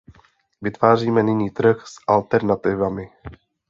Vytváříme nyní trh s alternativami.